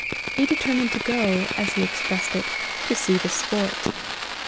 He determined to go, as he expressed it, to see the sport.